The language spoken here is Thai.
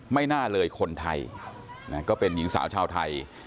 ไม่น่าเลยคนไทยก็เป็นหญิงสาวชาวไทย